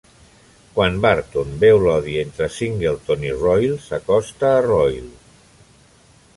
Quan Barton veu l'odi entre Singleton i Royle, s'acosta a Royle.